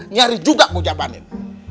nyari juga mau jabangin